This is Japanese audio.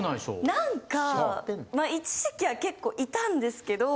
何か一時期は結構いたんですけど。